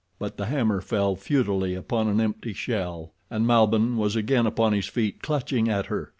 But the hammer fell futilely upon an empty shell, and Malbihn was again upon his feet clutching at her.